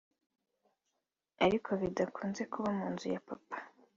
ariko bidakunze kuba kunzu ya Papa